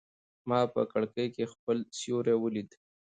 ما په کړکۍ کې خپل سیوری ولید.